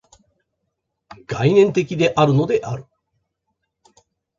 概念的であるのである。